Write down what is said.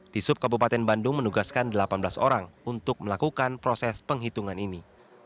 di subkabupaten bandung menugaskan delapan belas orang untuk melakukan proses penghitungan ini